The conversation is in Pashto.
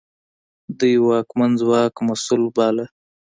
دوی واکمن ځواک مسوول باله.